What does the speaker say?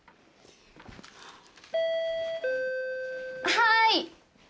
はい。